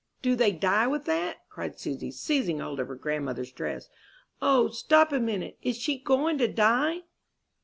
"Do they die with that?" cried Susy, seizing hold of her grandmother's dress. "O, stop a minute; is she going to die?"